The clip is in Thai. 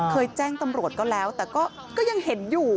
แจ้งตำรวจก็แล้วแต่ก็ยังเห็นอยู่